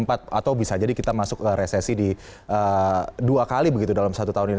atau bisa jadi kita masuk resesi di dua kali begitu dalam satu tahun ini